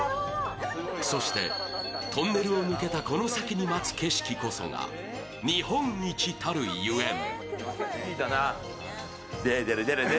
そしてトンネルを抜けたこの先に待つ景色こそが日本一たるゆえん。